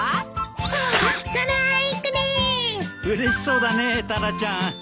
うれしそうだねタラちゃん。